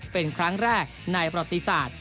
เป็นครั้งแรกในประติศาสตร์